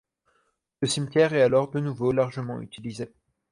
Le cimetière est alors de nouveau largement utilisé.